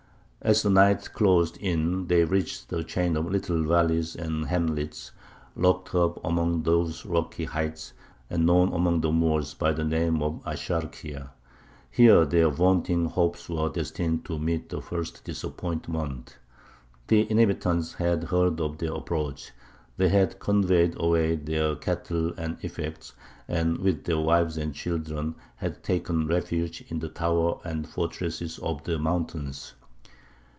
As the night closed in they reached the chain of little valleys and hamlets, locked up among those rocky heights, and known among the Moors by the name of Axarquia. Here their vaunting hopes were destined to meet the first disappointment. The inhabitants had heard of their approach; they had conveyed away their cattle and effects, and with their wives and children had taken refuge in the towers and fortresses of the mountains.